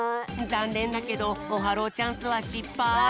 ざんねんだけどオハローチャンスはしっぱい。